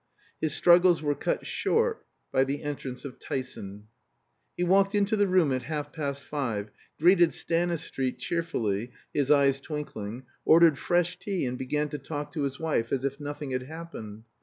His struggles were cut short by the entrance of Tyson. He walked into the room at half past five, greeted Stanistreet cheerfully (his eyes twinkling), ordered fresh tea, and began to talk to his wife as if nothing had happened.